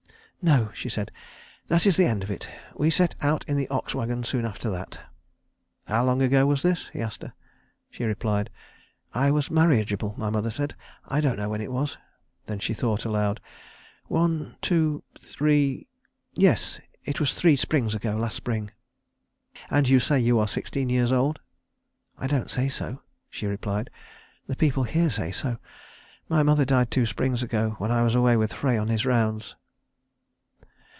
"No," she said, "that is the end of it. We set out in the ox wagon soon after that." "How long ago was this?" he asked her. She replied, "I was marriageable, my mother said. I don't know when it was." Then she thought aloud. "One, two, three yes, it was three springs ago last spring." "And you say you are sixteen years old." "I don't say so," she replied; "the people here say so. My mother died two springs ago when I was away with Frey on his rounds."